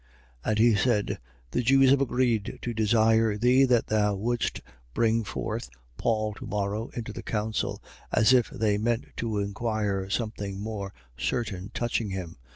23:20. And he said: The Jews have agreed to desire thee that thou wouldst bring forth Paul to morrow into the council, as if they meant to inquire some thing more certain touching him.